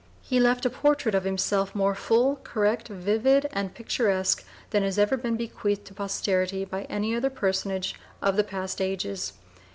He left a portrait of himself more full, correct, vivid, and picturesque than has ever been bequeathed to posterity by any other personage of the past ages.